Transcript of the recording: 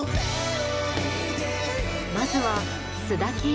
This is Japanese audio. まずは須田景